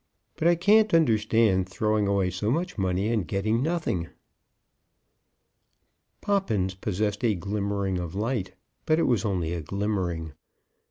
But I can't understand throwing away so much money and getting nothing." Poppins possessed a glimmering of light, but it was only a glimmering.